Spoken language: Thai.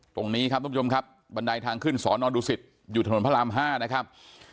ตรงนี้ครับทุกผู้ชมครับบันไดทางขึ้นสอนอนดูสิตอยู่ถนนพระราม๕นะครับ